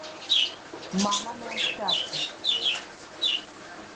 Mama ne asteapta.